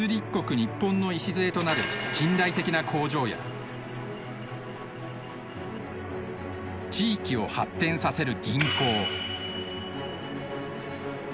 ニッポンの礎となる近代的な工場や地域を発展させる銀行。